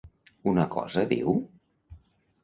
Una cosa, diu?